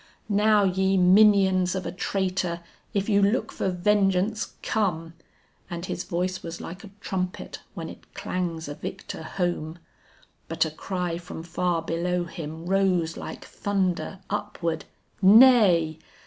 "Now ye minions of a traitor if you look for vengeance, come!" And his voice was like a trumpet when it clangs a victor home. But a cry from far below him rose like thunder upward, "Nay!